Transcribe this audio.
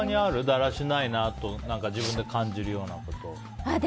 だらしないなって自分で感じるようなことは。